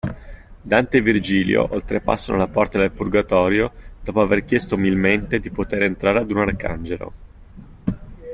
Dante e Virgilio oltrepassano la porta del Purgatorio dopo aver chiesto umilmente di poter entrare ad un arcangelo.